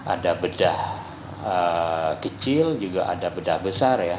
ada bedah kecil juga ada bedah besar ya